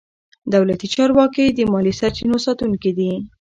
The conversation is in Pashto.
دولتي چارواکي د مالي سرچینو ساتونکي دي.